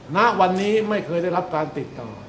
ณวันนี้ไม่เคยได้รับการติดต่อ